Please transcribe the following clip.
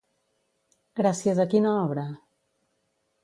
Gràcies a quina obra?